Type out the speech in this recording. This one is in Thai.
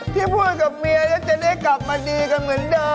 ที่พูดกับเมียแล้วจะได้กลับมาดีกันเหมือนเดิม